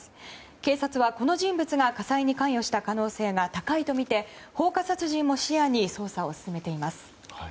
警察は、この人物が火災に関与した可能性が高いとみて放火殺人も視野に捜査を進めています。